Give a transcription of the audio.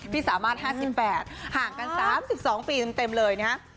พี่สามารถ๕๘ห่างกัน๓๒ปีเต็มเลยนะฮะ